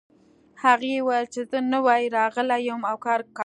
هغې وویل چې زه نوی راغلې یم او کار لرم